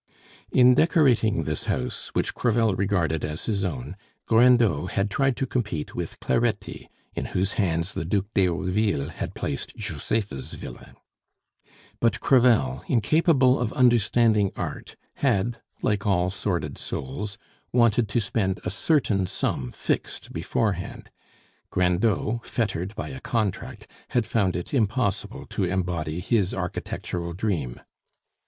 In decorating this house, which Crevel regarded as his own, Grindot had tried to compete with Cleretti, in whose hands the Duc d'Herouville had placed Josepha's villa. But Crevel, incapable of understanding art, had, like all sordid souls, wanted to spend a certain sum fixed beforehand. Grindot, fettered by a contract, had found it impossible to embody his architectural dream.